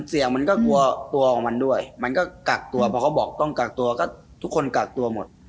เสียงมันก็กลัวตัวของมันด้วยมันก็กักตัวพอเขาบอกต้องกักตัวก็ทุกคนกักตัวหมด